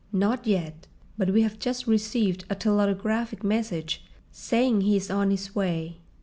"Not yet. But we have just received a telautographic message saying he is on his way."